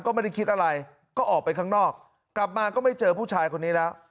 ก็ไม่ได้คิดอะไรก็ออกไปข้างนอกกลับมาก็ไม่เจอผู้ชายคนนี้แล้ว